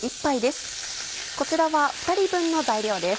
こちらは２人分の材料です。